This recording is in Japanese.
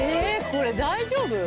これ大丈夫？